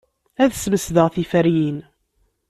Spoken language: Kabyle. Ad smesdeɣ tiferyin.